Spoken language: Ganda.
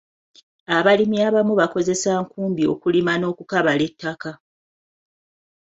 Abalimi abamu bakozesa nkumbi okulima n'okukabala ettaka.